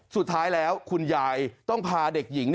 สุดท้ายแล้วคุณยายต้องพาเด็กหญิง